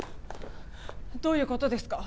どういうことですか？